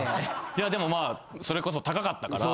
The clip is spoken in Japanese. いやでもまあそれこそ高かったから。